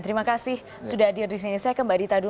terima kasih sudah hadir di sini saya ke mbak dita dulu